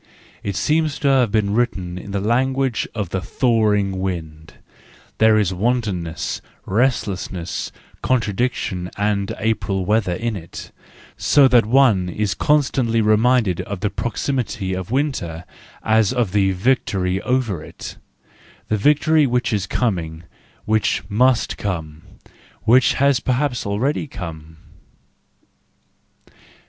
It seems to be written in the language of the thawing wind: there is wantonness, restlessness, contra¬ diction and April weather in it; so that one is as constantly reminded of the proximity of winter as of the victory over it: the victory which is coming, which must come, which has perhaps already come.